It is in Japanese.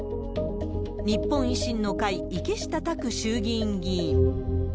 日本維新の会、池下卓衆議院議員。